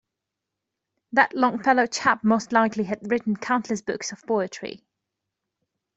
That Longfellow chap most likely had written countless books of poetry.